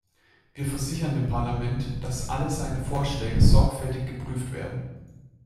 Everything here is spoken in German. Wir versichern dem Parlament, dass alle seine Vorschläge sorgfältig geprüft werden.